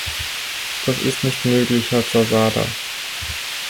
Das ist nicht möglich, Herr Zasada.